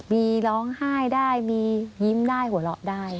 มีร้องไห้ได้มียิ้มได้หัวเราะได้